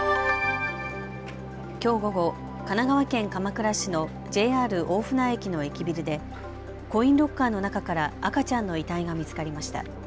きょう午後、神奈川県鎌倉市のＪＲ大船駅の駅ビルでコインロッカーの中から赤ちゃんの遺体が見つかりました。